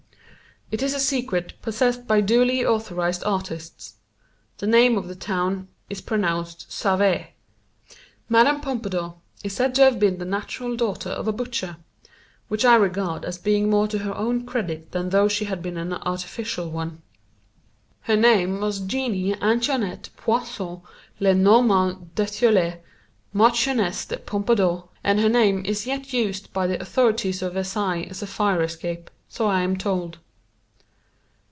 It is a secret possessed by duly authorized artists. The name of the town is pronounced Save. Mme. Pompadour is said to have been the natural daughter of a butcher, which I regard as being more to her own credit than though she had been an artificial one. Her name was Jeanne Antoinette Poisson Le Normand d'Etioles, Marchioness de Pompadour, and her name is yet used by the authorities of Versailles as a fire escape, so I am told.